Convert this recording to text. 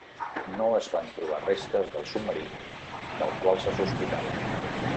No es van trobar restes del submarí del qual se sospitava.